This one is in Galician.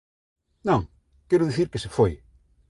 Non, quero dicir que se foi.